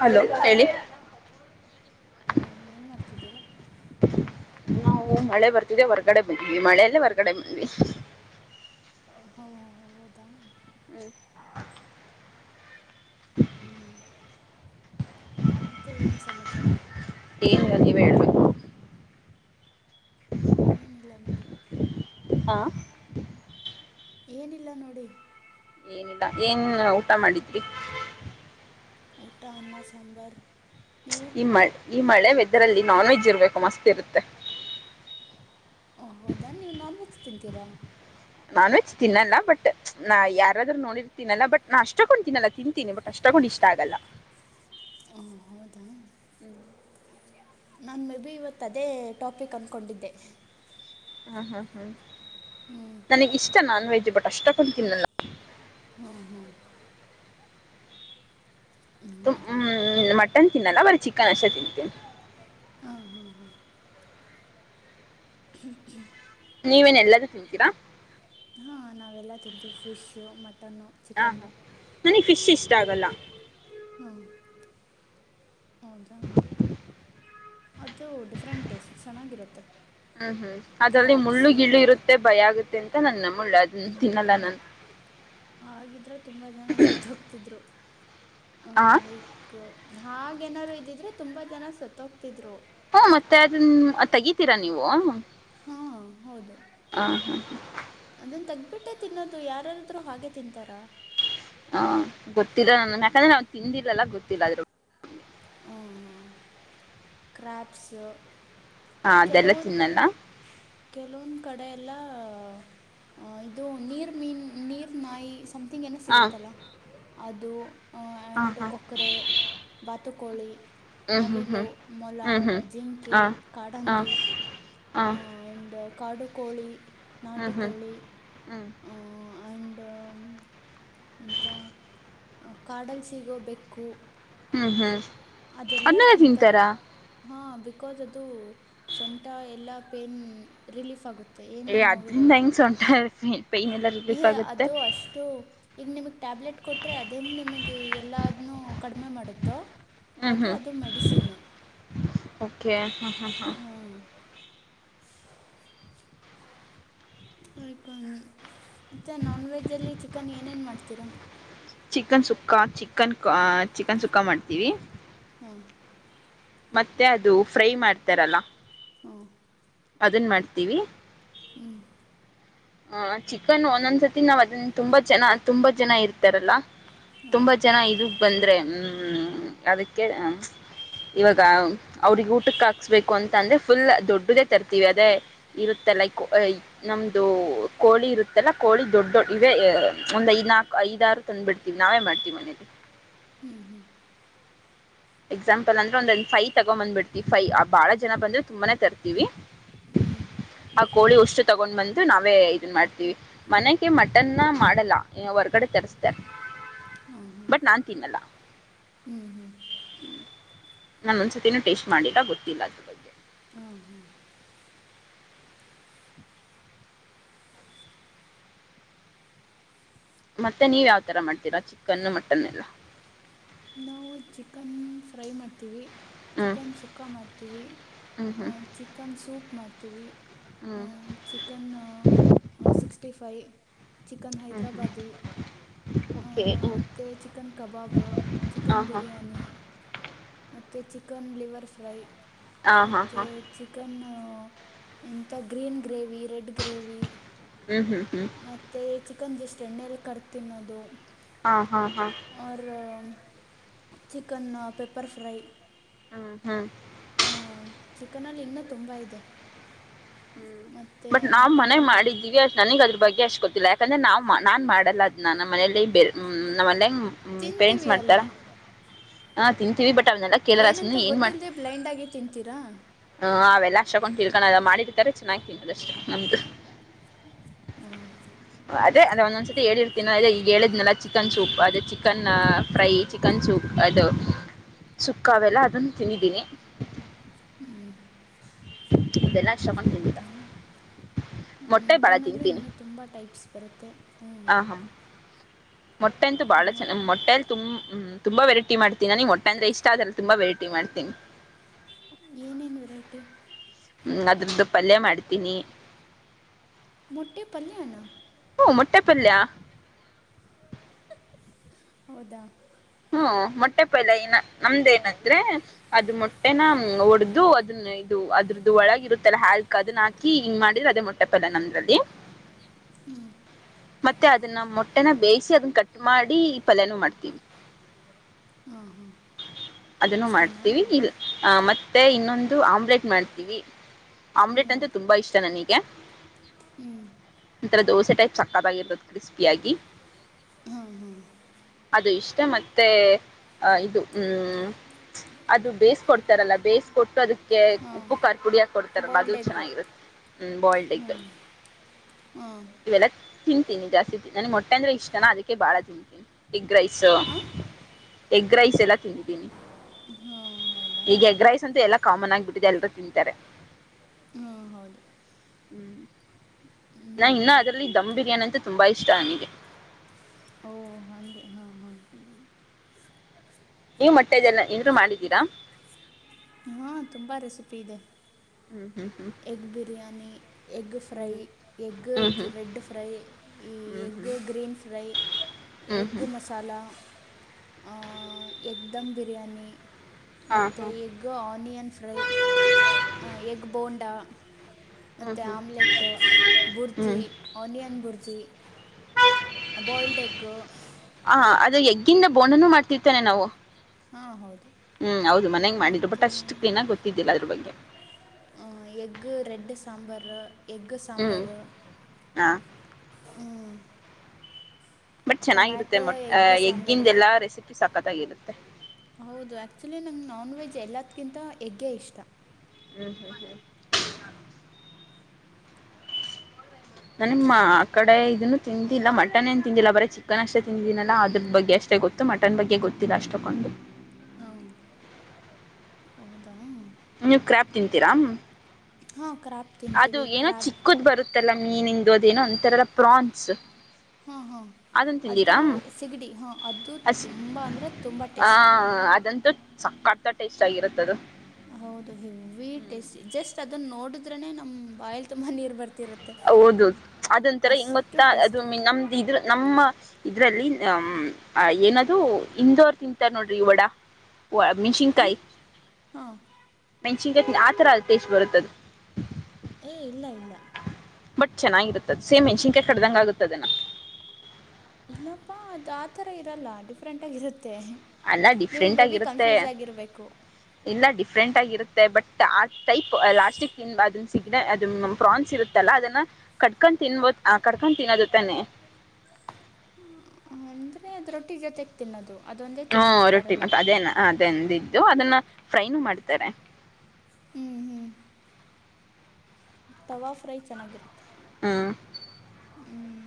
Hello ಹೇಳಿ ಹೇಳಿ ಏನ್ ಮಾಡ್ತಿದ್ದೀರಾ ನಾವು ಮಳೆ ಬರ್ತಿದೆೆ ಹೊರ್ಗಡೆ ಬಂದ್ವಿ ಮಳೆಯಲ್ಲೇ ಹೊರ್ಗಡೆ ಬಂದ್ವಿ ಹ ಹ ಹ ಹೌದಾ ಹ್ಮ್ ಹ್ಮ್ ಮತ್ತೆ ಏನ್ ಸಮಾಚಾರ [unintelligible] ಏನಿಲ್ಲ ನೋಡಿ ಹಾ ಏನಿಲ್ಲ ನೋಡಿ ಏನಿಲ್ಲ ಏನ್ ಊಟ ಮಾಡಿದ್ರಿ ಊಟ ಅನ್ನ ಸಾಂಬರ್ ಈ ಮಳೆ ಈ ಮಳೆ ವೇಥೇರ್ ನಾನ್ ವೆಜ್ ಇರ್ಬೇಕು ಮಸ್ತ್ ಇರುತ್ತೆ ಓ ಹೌದಾ ನೀವು ನಾನ್ ವೆಜ್ ತಿಂತೀರ ಅಲ್ವಾ ನಾನ್ ವಜ್ ತಿನ್ನಲ್ಲ ಬಟ್ ನಾ ಯಾರದ್ರು ನೋಡಿರ್ ತಿನ್ನಲ್ಲ ಬಟ್ ನಾ ಅಷ್ಟೊಕೊಂಡ್ ತಿನ್ನಲ್ಲ ತಿಂತೀನಿ ಬಟ್ ಅಷ್ಟ ಇಷ್ಟ ಆಗಲ್ಲ ಹ್ಮ್ ಹೌದಾ ಹ್ಮ್ ನಾನು ಮೆ ಬಿ ಇವತ್ತ ಅದೇ ಟಾಪಿಕ್ ಅನ್ಕೊಂಡಿದ್ದೆ ಹ್ಮ ಹ್ಮ್ ಹ್ಮ್ ನನಗ್ ಇಷ್ಟ ನಾನ್ ವೆಜ್ ಬಟ್ ಅಷ್ಟು ತಿನ್ನಲ್ಲ ಹ್ಮ್ ಹ್ಮ್ ಹೌದಾ ಮಟನ್ ತಿನ್ನಲ್ಲ ಬರೀ ಚಿಕನ್ ಅಷ್ಟೆ ತಿಂತೀನಿ ಹ ಹಾ ಹಾ [unintelligible] ನೀವೇನ್ ಎಲ್ಲದೂ ತಿಂತೀರಾ ಹಾ ನಾವೆಲ್ಲ ತಿಂತೀವಿ ಫಿಶು ಮಟನ್ನು ಹಾ ಹಾ ಚಿಕನ್ನು ನನಗೆ ಫಿಶ್ ಇಷ್ಟ ಆಗಲ್ಲ ಹಾ ಹೌದಾ ಅದು ಡಿಫ್ರೆಂಟೆಸ್ಟ್ ಚೆನ್ನಾಗಿರುತ್ತೆ ಹ್ಮ್ ಹ್ಮ್ ಅದ್ರಲ್ಲಿ ಮುಳ್ಳು ಕ್ರ್ಯಾಬ್ಸು ಗಿಳು ಇರುತ್ತೆ ಭಯ ಆಗುತ್ತೆ ಅಂತ ನನ್ನ ನಮ್ಮ ಳ್ಳ ತಿನ್ನಲ್ಲ ನಾನು ಹಾಗಿದ್ರೆ ತುಂಬ ಜನ ಸತ್ತ ಹೋಗ್ತಿದ್ರು ಹಾ ಹಾಗೇಏನಾರು ಇದ್ದಿದ್ರೆ ತುಂಬಾ ಜನ ಸತ್ತ ಹೋಗ್ತಿದ್ರು ಹ ಮತ್ತೆ ಅದನ್ನ ತೆಗಿತೀರಾ ನೀವು ಹಾ ಹೌದು ಹಾ ಅದ ತ ಬಿಟ್ಟೆ ತಿನ್ನೋದು ಯಾರರಾಧ್ರು ಹಾಗೆ ತಿಂತಾರಾ ಹ ಗೊತ್ತಿಲ್ಲ ನ ಯಾಕಂದ್ರೆ ಅವ್ನ್ ತಿಂದಿಲ್ಲಲ್ಲ ಗೊತ್ತಿಲ್ಲ ಅದ್ರ ಹ್ಮ್ ಹ್ಮ್ ಕ್ರ್ಯಾಪ್ಸ್ ಹಾ ಅದೆಲ್ಲ ತಿನ್ನಲ್ಲ ಕೆಲವೊಂದ್ ಕಡೆ ಎಲ್ಲ ಇದು ನೀರ್ ಮೀನ್ ನೀರ್ ನಾಯಿ ಸ್ಯಾಮ್ಥಿಂಗ್ ಏನ ಹ ಸಿಗುತ್ತಲ್ಲ ಅದು ಹಾ ಯಂಡ್ ಹಾ ಕೊಕ್ಕರೆ ಬಾತು ಕೋಳಿ ಹ್ಮ್ ಹ್ಮ್ ಹ್ಮ್ ಮೊಲ ಹ್ಮ್ ಹ್ಮ್ ಜಿಂಕೆ ಹ ಹ ಕಾಡಂದಿ ಹ ಆ್ಯಂಡ್ ಕಾಡು ಕೋಳಿ ಹ್ಮ್ ಹ್ಮ್ ನಾಟಿಕೋಳಿ ಹ್ಮ್ ಆ್ಯಂಡ್ ಯಂಥ ಕಾಡಲ್ ಸಿಗೋ ಬೆಕ್ಕು ಹ್ಮ್ ಹ್ಮ್ ಅನ್ನದ ತಿಂತಾರ ಹಾ ಬಿಕಾಸ್ ಅದು ಸೊಂಟ ಎಲ್ಲ ಪೇನ್ ರಿಲೀಫ್ ಆಗುತ್ತೆ ಏನೂ ಏ ಅದ್ರಿಂದ ನೋವಿರಲ್ಲ ಹೆಂಗ್ ಸೊಂಟ ಪೈನ್ ಎಲ್ಲ ಏ ರಿಲೀಫ್ ಆಗುತ್ತೆ ಅದು ಅಷ್ಟು ಈಗ ನಿಮಗೆ ಟ್ಯಾಬ್ಲೆಟ್ ಕೊಟ್ಟರೆ ಅದ ಹಂಗೆ ನಿಮಗೆ ಎಲ್ಲಾದನ್ನೂ ಕಡಿಮೆ ಮಾಡುತ್ತೋ ಹ್ಮ್ ಹಾಗೆ ಹ್ಮ್ ಅದು ಮೆಡಿಸಿನ್ನು ಓಕೆ ಹಾಂ ಹಾ ಹಾ ಹಾಂ ಆಯಕ ಮತ್ತೆ ನಾನ್ ವೆಜ್ಜಲ್ಲಿ ಚಿಕನ್ ಏನೇನು ಮಾಡ್ತೀರಾ ಚಿಕನ್ ಸುಕ್ಕಾ ಚಿಕನ್ ಚಿಕನ್ ಸುಕ್ಕ ಮಾಡ್ತೀವಿ ಹ್ಮ್ ಮತ್ತೆ ಅದು ಫ್ರೈ ಮಾಡ್ತಾರಲ್ಲ ಹ್ಮ ಅದನ್ ಮಾಡ್ತೀವಿ ಹ್ಮ್ ಹ ಚಿಕನ್ ಒಂದೊಂದ್ಸತಿ ನಾವ್ ಅದನ್ನ ತುಂಬಾ ಜನ ತುಂಬಾ ಜನ ಇರ್ತಾರಲ್ಲಾ ಹಾಂ ತುಂಬಾ ಜನ ಇದಕ್ ಬಂದ್ರೆ ಹ್ಮ್ ಅದಕ್ಕೆ ಇವಾಗ ಅವ್ರಿಗೆ ಊಟಕ್ಕೆ ಹಾಕ್ಸ್ಬೇಕು ಅಂತ ಅಂದ್ರೆ ಫುಲ್ ದೊಡ್ಡದೇ ತರ್ತೀವಿ ಅದೇ ಇರುತ್ತ ಲೈಕ್ ನಮ್ದು ಕೋಿ ಇರುತ್ತೆಲ್ಲ ಕೋಳಿ ದಡ್ ದೊಡ್ ಇವೇ ಒಂದ ಐದ ನಾಲ್ಕು ಐದಾರು ತಂದು್ಬ ಬಿಡ್ತೀವಿ ನಾವೇ ಮಾಡ್ತೀವಿ ಮನ ಹ್ಮ್ ಹ್ಮ್ ಎಕ್ಸಾಂಪಲ್ ಅಂದ್ರ ಒಂದ್ ಫೈ ತಗೊ ಬಂದ್ಬಿಡ್ತಿವಿ ಫೈ ಆ ಬಾಳ ಜನ ಬಂದ್ರೆ ತುಂಬಾನೇ ತರ್ತೀವಿ ಹ್ಮ್ ಆ ಕೋಳಿ ಉಷ್ಟು ತಗೊಂಡ್ ಬಂದು ನಾವೇ ಇದನ್ ಮಾಡ್ತೀವಿ ಮನೆಗೆ ಮಟನ್ನ ಮಾಡಲ್ಲ ಹೊರ್ಗಡೆ ತರ ಅತ ಹ [unintelligible] ಬಟ್ ನಾನ್ ತಿನ್ನಲ್ಲ ಹ್ಮ್ ಹ್ಮ್ ನಾನ ಒಂದ್ಸತಿನೂ ಟೇಸ್ಟ್ ಮಾಡಿಲ್ಲ ಗೊತ್ತಿಲ್ಲ ಅದ್ರ ಬಗ್ಗೆ ಹಾಂ ಹಾಂ ಮತ್ತೆ ನೀವ ಯಾವ್ತರ ಮಾಡ್ತೀರಾ ಚಿಕನ್ ಮಟನ್ ಎಲ್ಲ ನಾವು ಚಿಕನ್ ಫ್ರೈ ಮಾಡ್ತೀವಿ ಹ್ಮ್ ಚಿಕನ್ ಸುಕ್ಕ ಮಾಡ್ತೀವಿ ಹ್ಮ್ ಹ್ಮ್ ಚಿಕನ್ ಸೂಪ್ ಮಾಡ್ತೀವಿ ಹ್ಮ್ ಹ ಚಿಕನ್ ಸಿಕ್ಸ್ಟಿ ಫೈವ್ ಚಿಕನ್ ಹ್ಮ್ ಹ್ಮ್ ಹೈದ್ರಾಬಾದಿ ಆ ಓಕೆ ಹ್ಮ್ ಮತ್ತೆ ಚಿಕನ್ ಕಬಾಬ್ ಹಾ ಚಿಕನ್ ಹಾ ಬಿರಿಯಾನಿ ಮತ್ತುತ್ತ ಚಿಕನ್ ಲಿವರ್ ಫ್ರೈ ಹಾ ಹಾ ಮತ್ತೆ ಹಾ ಚಿಕನ್ ಎಂತ ಗ್ರೀನ್ ಗ್ರೇವಿ ರೆಡ್ ಗ್ರೇವಿ ಹ್ಮ್ ಹ್ಮ್ ಹ್ಮ್ ಮತ್ತು ಚಿಕನ್ [unintelligible] ಎಷ್ಟಟ್ ಎಣ್ಣಲಿ ಕರ್ದು ತಿನ್ನೋದು ಹಾ ಹಾ ಹಾ ಆರ್ ಚಿಕನ್ ಪೆಪ್ಪರ್ ಫ್ರೈ ಹ್ಮ ಹ್ಮ್ ಚಿಕನಲ್ಲಿ ಇನ್ನೂ ತುಂಬಾ ಇದೆ ಹ್ಮ್ ಮತ್ತು ಬಟ್ ನಾವ್ ಮನೆಗ ಮಟನಲ್ಲಿ ಮಾಡಿದ್ದೀವಿ ಅ ನನಗ್ ಅದ್ರ ಬಗ್ಗೆ ಅಷ್ಟ್ ಗೊತ್ತಿಲ್ಲ ಯಾಕಂದ್ರೆ ನಾ ನಾನ್ ಮಾಡಲ್ಲ ಅದ್ ನ ಮನಲಿ [unintelligible] ನಮ್ಮ ಪೇರೆಂಟ್ಸ್ ತಿಂತೀವಿ ಮಾಡ್ತಾರ ಅಲ್ವಾ ಹ ತಿಂತೀವಿ ಬಟ್ [unintelligible] ಕೇಳಲ್ಲ ಏನಂತ ಸುಮ್ನೆ ಏನ್ ಮಾಡ್ತ ಗೊತ್ತಿಲ್ದೆೇ ಬ್ಲೈಂಡ್ ಆಗಿ ತಿನ್ತೀರಾ ಅವೆಲ್ಲ ಹ [unintelligible] ಶಕೊಂಡಿರ್ಕಣ ಅದ ಮಾಡಿರ್ತಾರೆ ಚೆನ್ನಾಗ್ತನಿ ಅದಷ್ಟೇ ನಮ್ದು ಹ್ಮ್ ಅದೇ ಅದ ಒಂದೊಂದ್ಸತಿ ಹೇಳಿರ್ತೀನ ಅ ಈಗ ಹೇಳಿದ್ನೆಲ್ಲ ಚಿಕನ್ ಸೂಪ್ ಅದೇ ಚಿಕನ್ ಫ್ರೈ ಚಿಕನ್ ಸೂಪ್ ಅದು ಸುಕ್ಕ ಅವೆಲ್ಲ ಅದನ್ನು ತನ್ನಿದ್ದೀನಿ ಹ್ಮ್ ಇದೆಲ್ಲಾ ಶ್ರಮ ತಿಂದಿಲ್ಲ ಮೊಟ್ಟೆ ಬಾಳ ಮಟನ್ ಅಲ್ಲೂ ತಿಂತೀನಿ ಇನ್ನುೂ ತುಂಬಾ ಟೈಪ್ಸ್ ಬರುತ್ತೆ ಹ್ಮ್ ಆ ಹಾ ಮೊಟ್ಟೆ ಅಂತೂ ಬಾಳ ಚ ಮೊಟ್ಟೆಲಿ ತುಂಬ ಹ್ಮ ತುಂಬಾ ವೆರೈಟಿ ಮಾಡ್ತೀನಿ ನನಗ್ ಒಟ್ಟೆ ಅಂದ್ರೆ ಇಷ್ಟ ಆದ್ರೆ ತುಂಬಾ ವೆರೈಟಿ ಮಾಡ್ತೀನಿ ಏನೇನು ವೆರೈಟಿ ಹ್ಮ್ ಅದ್ರದ್ದು ಪಲ್ಯ ಮಾಡ್ತೀನಿ ಮೊಟ್ಟೆ ಪಲ್ಯನಾ ಮುಟ್ಟೆ ಪಲ್ಯ [unintelligible] ಹೌದಾ ಹ್ಞೂ ಮೊಟ್ಟೆ ಪಲ್ಯನ ನಮ್ದೇಏನಂದ್ರೆ ಅದ ಮೊಟ್ಟೆನ ಒಡ್ದು ಅದನ್ನ ಇದು ಅದ್ರದ್ದು ಒಳಗ ಇರುತ್ತಲ್ಲಾ ಹಾಲ್ಕ್ ಅದನ್ನ ಹಾಕಿ ಹಿಂಗ್ ಮಾಡಿದ್ರ ಅದೇ ಮೊಟ್ಟೆ ಅಲ್ಲ ನಮ್ರಲ್ಲಿ ಹ್ಮ್ ಮತ್ತೆ ಅದನ್ನ ಮೊಟ್ಟೆನ ಬೇಯಿಸಿ ಅದನ್ನ ಕಟ್ ಮಾಡಿ ಈ ಪಲ್ಯಾನ ಮಾಡ್ತೀವಿ ಹಾ ಅದನ್ನು ಮಾಡ್ತೀವಿ ಇಲ್ ಆ ಮತ್ತೆ ಮತ್ತೆ ಇನ್ನೊಂದು ಆಮ್ಲೆಟ್ ಮಾಡ್ತೀವಿ ಹ್ಞೂ ಆಮ್ಲೆಟ್ ಅಂತೆ ತುಂಬಾ ಇಷ್ಟ ನನಗೆ ಹ್ಞೂ [unintelligible] ಈಥರ ದೋಸೆ ಟೈಪ್ ಸಕ್ಕಾದಾಗಿರ್ಬೋದು ಕ್ರಿಸ್ಪಿಯಾಗಿ ಹಾ ಹಾ ಅದು ಇಷ್ಟೇ ಮತ್ತೆ ಇದು ಹ್ಮ್ ಅದು ಬೇಯಿಸಕೊಡ್ತಾರಲ್ಲ ಬೇಯಿಸಿಕೊಟ್ಟು ಅದ ಹಾಂ ಉಪ್ಪು ಖಾರದಪುಡಿಯಕ ಕೊಡ್ತಾರಲ್ಲ ಅದು ಬಾಯ್ಲ್ಡ್ ಎಗ್ಗು ಚೆನ್ನಾಗಿರುತ್ತೆ ಹ್ಮ ಬಾಯಲ್ಡ್ ಎಗ್ ಹ್ಮ ಇವೆಲ್ಲ ತಿಂತೀನಿ ಜಾಸ್ತಿ ನನ್ಗ್ ಮೊಟ್ಟೆ ಅಂದ್ರೆ ಇಷ್ಟಾನ ಅದಕ್ಕೆ ಬಾಳ ತಿಂತೀನಿ ಹೆಗ್ ರೈಸ್ ಹಾಂ ಎಗ್ ರೈಸ್ ಎಲ್ಲ ತಿಂತೀನಿ ಹಾಂ ಈಗ ಹೌದಾ ಎಗ್ ರೈಸ್ ಅಂತ ಎಲ್ಲ ಕಾಮನ್ ಆಗಿಬಿಟ್ಟಿದೆ ಎಲ್ರೂ ತಿಂತಾರೆ. ಹಾ ಹೌದು ಹ್ಮ್ ನಾ ಹ್ಞೂ ಇನ್ನು ಅದ್ರಲ್ಲಿ ದಧಮ್ ಬಿರಿಯಾನಿ ಅಂತ ತುಂಬಾ ಇಷ್ಟ ನನಗೆ. ಓ ಹಾಗೆ ಹಾಂ ಹಾಂ ನೀವು ಮೊಟ್ಟೆದೆಲ್ಲ [unintelligible] ಮಾಡಿದ್ದೀರಾ ಹಾ ತುಂಬಾ ರೆಸಿಪಿ ಇದೆ. ಹ್ಮ್ ಹ್ಮ್ ಎಗ್ ಬಿರಿಯಾನಿ ಎಗ್ ಫ್ರೈ ಹ್ಮ್ ಎಗ್ ಹ್ಮ್ ಹ್ಮ್ ರೆಡ್ ಫ್ರೈ ಈ ಹ್ಮ್ ಹ್ಮ್ ಎಗ್ ಹ್ಮ್ ಗ್ರೀನ್ ಫ್ರೈ ಹ್ಮ್ ಹ್ಮ್ ಎಗ್ ಹ್ಮ್ ಮಸಾಲ ಹ್ಮ್ ಎಗ್ದಮ್ ಬಿರಿಯಾನಿ ಹಾ ಮತ್ತೆ ಹಾ egg onion fry egg bonda ಹ್ಮ್ ಮತ್ತೆ ಹ್ಮ್ ಆಮ್ಲೆಟ್ ಬುರ್ಜಿ ಹ್ಮ್ ಆನಿಯನ್ ಬುರ್ಜಿ ಬಾಯಿಲ್ಡ್ ಎಗ್ಗು ಹ ಅದು ಎಗ್ಗಿಂದ ಬೋಡನು ಮಾಡ್ತಿರ್ತೇನೆ ನಾವು ಹಾಂ ಹೌದು ಹ್ಮ್ ಹೌದು ಮನೆಗೆ ಮಾಡಿದ್ರು ಬಟ್ ಮತ್ತು ಅಷ್ಟು ಕ್ಲೀನಾಗಿ ಗೊತ್ತಿದ್ದಿಲ್ಲ ಅದ್ರ ಬಗ್ಗೆ. ಹ್ಮ ಎಗು ರೆಡ್ ಸಾಂಬಾರ್ ಎಗ್ ಹ್ಮ್ ಸಾಂಬಾರ್ ಹ ಹ್ಮ್ ಬಟ್ ಚೆನ್ನಾಗಿರುತ್ತೆ ಮಟ್ ಎಗ್ ಎಗ್ಗಿಂದ ಸಾಂಬಾರು ಎಲ್ಲಾ ರೆಸಿಪಿ ಸಾಕತ್ತಾಗಿರುತ್ತೆ. ಹೌದು ಆಕ್ಚುಲಿ ನಂಗೆ ನಾನ್ ವೆಜ್ ಎಲ್ಲದಕಿಂತ ಎಗ್ಗೆ ಇಷ್ಟ ಹ್ಮ್ ಹ್ಮ್ [inaudible] ಹ್ಮ್ ನಾನಮ್ಮ ಆ ಕಡೆ ಇದನ್ನು ತಿಂದಿಲ್ಲ ಮಟನ್ ಏನ್ ತಿಂದಿಲ್ಲ ಬರ ಚಿಕನ್ ಅಷ್ಟೇ ತಿಂದಿನಲ್ಲಾ ಅದ್ರ ಬಗ್ಗೆ ಅಷ್ಟು ಅಷ್ಟ ಗೊತ್ತು ಮಟನ್ ಬಗ್ಗೆ ಗೊತ್ತಿಲ್ಲ ಅಷ್ಟು ಕೊಗೊಂಡು ಹ ಹೌದು ತಾನೇ ನೀ ಕ್ರ್ಯಾಬ್ ತಿನ್ಂತೀರಾ ಹಾಂ ಕ್ರಾಬ್ ಅದು ತಿಂತೀವಿ ಏನೋ ಕ್ರಾಬ್ ಚಿಕ್ಕದ್ ಬರುತ್ತಲ್ಲ ಮೀನಿಂದ ಅದ ಏನೋ ಅಂತರಲ್ಲ ಪ್ರಾನ್ಸ್ ಹ್ಮ ಹಾ ಅದನ್ ತಿಂದಿರಾ ಅದು ಸಿಗಡಿ ಹಾ ಅದು ಅಸ್ ತುಂಬ ಅಂದ್ರೆ ತುಂಬ ಟೇಸ್ಟ್ ಸಕ್ಕತ ಟೇಸ್ಟ್ ಆಗಿರುತ್ತದು ಹೌದು ಹೆವಿವಿ ಹ್ಮ್ ಟೇಸ್ಟಿ ಜಸ್ಟ್ ಅದನ್ನ ನೋಡಿದ್ರನನೆ ನಮ್ ಬಾಯಲ್ ತುಂಬಾ ನೀರ್ ಬರ್ತ ಹೌದ ಅದೊಂಂತರ ಹೆಂಗ ಮತ್ತ ಅಷ್ಟು ಅದು ಟೇಸ್ಟಿ ಮ ನಮ್ದ ಇದ್ರ ನಮ್ಮ ಇದ್ರಲ್ಲಿ ಹ ಏನದು ಇಂದೋರ್ ತಿಂತಾರ ನೋಡ್ರಿ ವಡ ಒ ಹಾಂ ಮೆಣಸಿನಕಾಯಿ ಹಾಂ [unintelligible] ಆತರ [unintelligible] ಅದು ಟೇಸ್ಟ್ ಬರುತ್ತದು ಏ ಇಲ್ಲ ಇಲ್ಲ ಬಟ್ ಚೆನ್ನಾಗಿರುತ್ತದೆ ಸೇಮ ಮೆಣಸಿನ್ಕಾಯಿ ಕಡ್ದಂಗ ಆಗತದನಾ ಏನಪ್ಪಾ ಅದು ಆತರ ಇರಲ್ಲ ಡಿಫ್ರೆಂಟ್ ಆಗಿರುತ್ತೆ ಅಲ್ಲ ನೀವು ಡಿಫ್ರೆಂಟ್ ಮೇ ಬಿ ಆಗಿರುತ್ತೆ ಕನ್ಫ್ಯೂಸ್ ಆಗಿರ್ಬೇಕು ಇಲ್ಲ ಡಿಫ್ರೆಂಟ್ ಆಗಿರುತ್ತೆ ಬಟ್ ಆ ಟೈಪ್ ಲಾಸ್ಟಿಕ್ ಅದ ಸಿಗ ಅದು ಪ್ರಾನ್ಸ್ ಇರುತ್ತಲ್ಲ ಅದನ್ನ ಕಟ್ಕೊಂಡ್ ತಿನ್ಬೋದು ಕಟ್ಕೊಂಡ್ ತಿನ್ನೋದು ತಾನೆ ಹ್ಮ ಅಂದ್ರೆ ಅದ ರೊಟ್ಟಿ ಜೊತೆಗೆ ತಿನ್ನೋದು ಅದೊಂದೇ ಹ್ಮ ತಿನ್ನೋದು ರೊಟ್ಟಿ ಬರಲ್ಲ ಮತ್ತ ಅದೇನ ಅದಂದ ಇದಿದ್ದು ಅದನ್ನ ಫ್ರೈನು ಮಾಡ್ತಾರೆ ಹ್ಞೂ ಹ್ಞೂ ತವಾ ಫ್ರೈ ಚೆನ್ನಾಗಿರುತ್ತೆ ಹಾ ಹ್ಮ್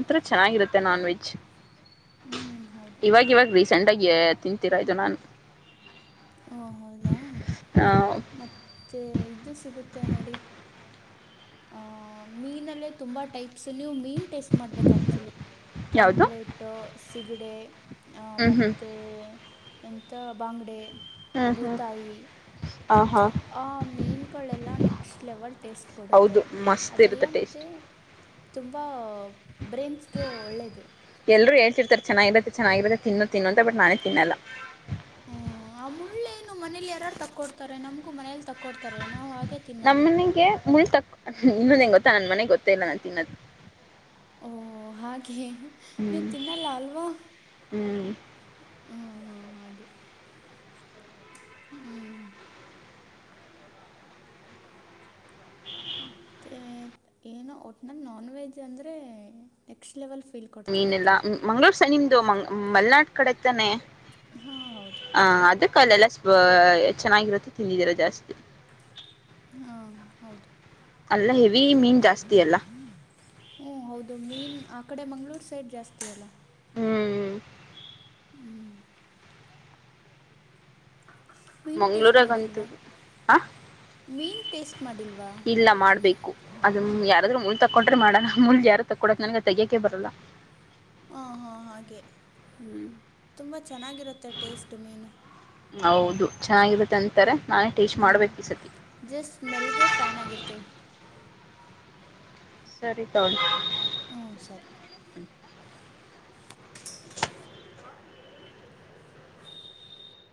ಒಥರ ಚೆನ್ನಾಗಿರುತ್ತೆ ನಾನ್ ವೆಜ್ ಹ್ಞೂ ಹೌದು ಇವವಾಗ ಸೆಂಡಗೆ ತಿಂತೀರಾ ಇದು ನಾನು ಓ ಹೌದಾ ಮತ್ತೆ ಇದು ಸಿಗುತ್ತೆ ನೋಡಿ ಆ ಮೀನಲ್ಲೇ ತುಂಬಾ ಟೈಪ್ಸ್ ನೀ ಮೀನ್ ಟೇಸ್ಟ್ ಮಾಡ್ಬೇಕು ಆಕ್ಚುಲಿ ಯಾವುದು ಪಾಂಪ್ಲೆೇಟ್ ಸಿಗಡೆ ಹ್ಮ್ ಹ್ಮ್ ಮತ್ತು ಎಥ ಬಂಗಡೆ ಹ್ಮ್ ಹ್ಮ್ ಬೂತಾಯಿ ಆ ಹಾ ಆ ಮೀನ್ಗಳೆಲ್ಲ ನೆಕ್ಸ್ಟ್ ಲೆವಲ್ ಟೇಸ್ಟ್ ಕೊಡುತ್ತೆ ಅದೆಲ್ಲ ಮಸ್ತಿರುತ್ತೆ ಮತ್ತು ಟೇಸ್ಟ್ ತುಂಬ ಬ್ರೇನ್ಸ್ಗೆ ಒಳ್ಳೆಯದು [unintelligible] ಚೆನ್ನಾಗಿರುತ್ತೆ ಚೆನ್ನಾಗಿರುತ್ತೆ ತಿನ್ನು ತಿನ್ನು ಅಂತ ಬಟ್ ನಾನೇ ತಿನ್ನಲ್ಲ ಹ್ಮ್ ಆ ಮುಳ್ಳೇನು ಮನೇಲಿ ಯಾರಾರ್ ತಕ್ಕೊಡ್ತಾರೆ ನಮ್ಗೂ ಮನೇಲಿ ತಕ್ಕೊಡ್ತಾರೆ ನಾವು ಹಾಗೆ ತಿನ್ನೋದು ನಮ್ಮನೆಗೆ ಮುಳ್ಳು ಇನ್ನೊಂದ ಏನು ಗೊತ್ತಾ ನಮ್ಮ ಮನೆಗ್ ಗೊತ್ತೇ ಇಲ್ಲ ನಾನ್ ತಿನ್ನೋದು ಓ ಹಾಗೆ ನೀವು ಹ್ಮ್ ತಿನ್ನಲ್ಲ ಅಲ್ವಾ ಹ್ಮ್ ಹಾಂ ಹಾಂ ಹ್ಮ್ ಮತ್ತೆ ಏನೋ ಒಟ್ನಲ್ಲಿ ನಾನ್ ವೆಜ್ ಅಂದ್ರೆ ನೆಕ್ಸ್ಟ್ ಲೆವೆಲ್ ಫೀಲ್ ಮೀನುಎಲ್ಲ ಕೊಡ್ತಿರುತ್ತೆ ಮಂಗ್ಗಳೂರ್ ನಿಮ್ದು ಮಲೆನಾಡ್ ಕಡೆ ತಾನೆ ಹಾಂ ಹೌದು ಹ ಅದು ಕಲ್ಲೆಲ್ಲ ಚೆನ್ನಾಗಿರುತ್ತೆ ತಿಂದಿದ್ದೀರ ಜಾಸ್ತಿ ಹಾ ಹೌದು ಅಲ್ಲಿಯ ಹೆವಿ ಮೀನ್ ಜಾಸ್ತಿ ಅಲ್ಲ ಹ್ಮ ಹೌದು ಮೀನ್ ಆ ಕಡೆ ಮಂಗ್ಗಳೂರ್ ಸೈಡ್ ಜಾಸ್ತಿ ಅಲ್ಲ ಹ್ಮ್ ಹ್ಮ್ ಮೀನು ಟೇಸ್ಟ್ ಮಂಗಳೂರು ಮಾಡಿಲ್ವಾ [unintelligible] ಮೀನು ಟೇಸ್ಟ್ ಮಾಡಿಲ್ವಾ ಇಲ್ಲ ಮಾಡ್ಬೇಕು ಅದ ಯಾರಾದ್ರೂ ಕೊಂಟ್ರೆ ಮಾಡೋಣ ಮುಳ್ಳು ಯಾರು ತಕ್ಕೊಡಲ್ಲ ನನ್ಗೆ ತೆಗಿಯೋಕೆ ಬರಲ್ಲ ಹಾಂ ಹಾಂ ಹಾಗೆ ಹ್ಮ್ ತುಂಬ ಚೆನ್ನಾಗಿರುತ್ತೆ ಟೇಸ್ಟು ಮೀನು ಹೌದು ಚೆನ್ನಾಗಿರುತ್ತೆ ಅಂತಾರೆ ನಾನೇ ಟೇಸ್ಟ್ ಹ್ಮ್ ಮಾಡ್ಬೇಕು ಈ ಸತಿ ಜಸ್ಟ್ ಸ್ಮೆಲ್ಗೆ ಫ್ಯಾನ್ ಆಗಿರ್ತೇವಿ ಸರಿ ತಗೋಳಿ ಹ್ಮ ಸರಿ [unintelligible] [inaudible]